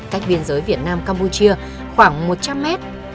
cách biên giới việt nam campuchia khoảng một trăm linh mét